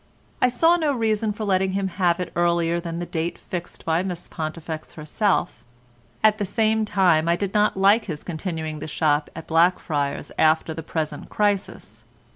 I saw no reason for letting him have it earlier than the date fixed by Miss Pontifex herself; at the same time I did not like his continuing the shop at Blackfriars after the present crisis.